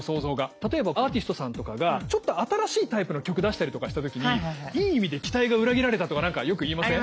例えばアーティストさんとかがちょっと新しいタイプの曲出したりとかした時にいい意味で期待が裏切られたとか何かよく言いません？